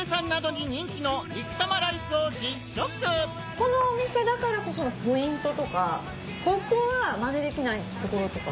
このお店だからこそのポイントとかココはマネできないところとか？